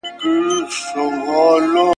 تاسي باید په ژوند کي پر ځان باور ولرئ.